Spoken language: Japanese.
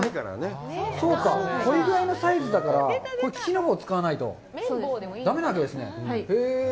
そうか、これぐらいのサイズだから、木の棒を使わないとだめなわけですね？